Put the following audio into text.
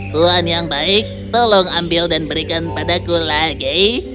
tuhan yang baik tolong ambil dan berikan padaku lagi